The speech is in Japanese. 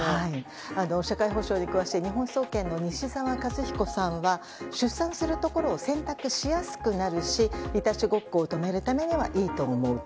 社会保障に詳しい日本総研の西沢和彦さんは出産するところを選択しやすくなるしいたちごっこを止めるためにはいいと思うと。